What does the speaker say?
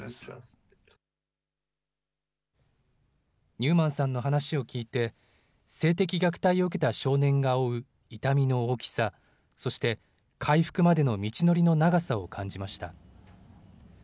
ニューマンさんの話を聞いて、性的虐待を受けた少年が負う痛みの大きさ、そして回復までの道のりの長さを感じました。